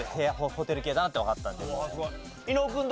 ホテル系だなってわかったんでもう。